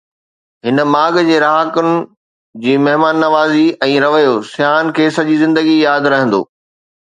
هن ماڳ جي رهاڪن جي مهمان نوازي ۽ رويو سياحن کي سڄي زندگي ياد رهندو.